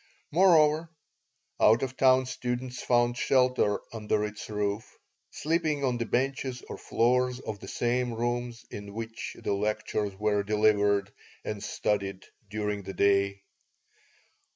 Moreover, out of town students found shelter under its roof, sleeping on the benches or floors of the same rooms in which the lectures were delivered and studied during the day.